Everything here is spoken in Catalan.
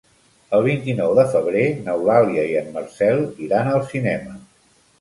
El vint-i-nou de febrer n'Eulàlia i en Marcel iran al cinema.